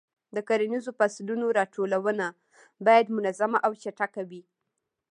د کرنیزو فصلونو راټولونه باید منظمه او چټکه وي.